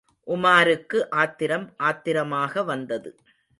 உமாருக்கு ஆத்திரம் ஆத்திரமாகவந்தது.